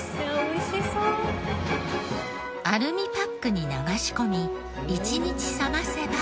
アルミパックに流し込み一日冷ませば。